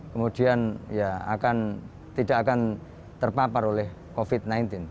kemudian ya tidak akan terpapar oleh covid sembilan belas